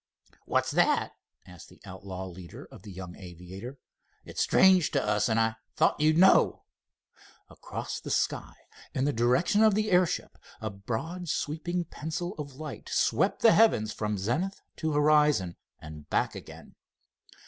"What's that?" asked the outlaw leader of the young aviator. "It's strange to us, and I thought you'd know." Across the sky in the direction of the airship a broad sweeping pencil of light swept the heavens from zenith to horizon, and back again.